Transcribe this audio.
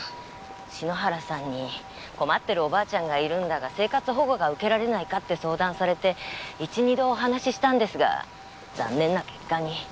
篠原さんに困ってるおばあちゃんがいるんだが生活保護が受けられないかって相談されて一二度お話ししたんですが残念な結果に。